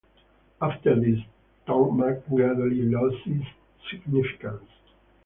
After this, Tokmak gradually lost its significance.